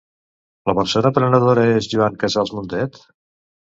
La persona prenedora és Joan Casals Mundet?